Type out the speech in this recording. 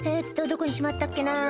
どこにしまったっけな」